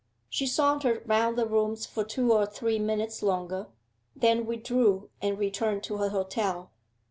She sauntered round the rooms for two or three minutes longer, then withdrew and returned to her hotel.